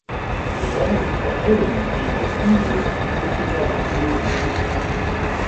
Wir brauchen sie vor allem wegen der Krise, die wir zur Zeit durchleben.